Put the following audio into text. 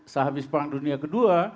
sehabis perang dunia ii